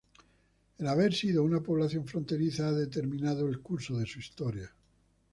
El haber sido una población fronteriza ha determinado el curso de su historia.